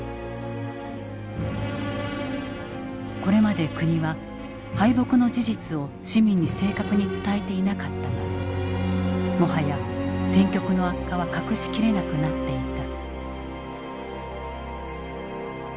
これまで国は敗北の事実を市民に正確に伝えていなかったがもはや戦局の悪化は隠し切れなくなっていた。